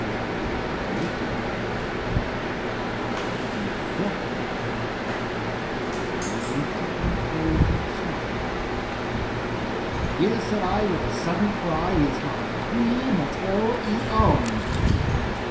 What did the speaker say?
And I looked at it, and I thought a bit, and I looked at my frozen chum; Then "Here", said I, with a sudden cry, "is my cre ma tor eum."